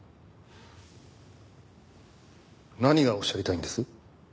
何がおっしゃりたいんです？